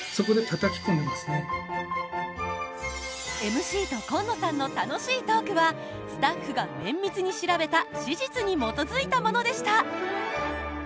ＭＣと今野さんの楽しいトークはスタッフが綿密に調べた史実に基づいたものでした。